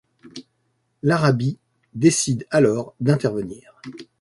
Larabee décide alors d'intervenir.